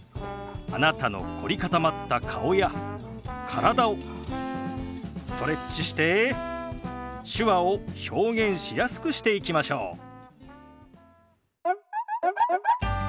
あなたの凝り固まった顔や体をストレッチして手話を表現しやすくしていきましょう。